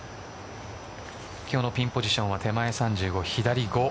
今日のピンポジションは手前３５左５。